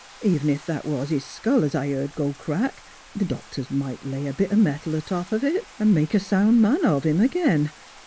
Even if that was his skull as I heard go crack, the doctors might lay a bit o' metal atop on it, and make a sound man of him again.